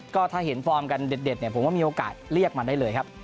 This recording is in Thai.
ก็ถ้าเห็นฟอร์มกันเด็ดเนี่ยผมว่ามีโอกาสเรียกมันได้เลยครับ